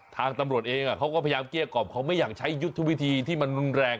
ทางตำรวจเองเขาก็พยายามเกลี้ยกล่อมเขาไม่อยากใช้ยุทธวิธีที่มันรุนแรง